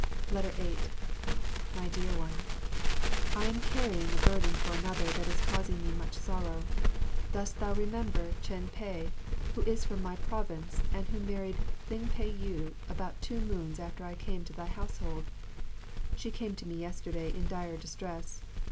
8. My Dear One, I am carrying a burden for another that is causing me much sorrow. Dost thou remember Chen peh, who is from my province and who married Ling Peh yu about two moons after I came to thy household? She came to me yesterday in dire distress.